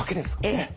ええ。